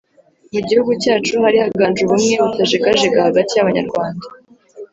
mu gihugu cyacu, hari haganje ubumwe butajegajega hagati y'Abanyarwanda: